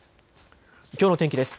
きょうの天気です。